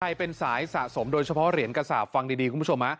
ใครเป็นสายสะสมโดยเฉพาะเหรียญกระสาปฟังดีคุณผู้ชม